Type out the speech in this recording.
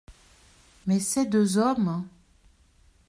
Mais ces deux hommes !…